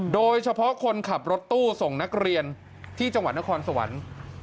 โดยเฉพาะคนขับรถตู้ส่งนักเรียนที่จังหวัดนครสวรรค์